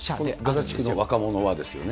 ガザ地区の若者はですよね。